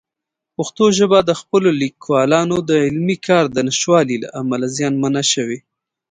پښتو ژبه د خپلو لیکوالانو د علمي کار د نشتوالي له امله زیانمنه شوې.